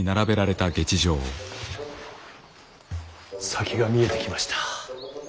先が見えてきました。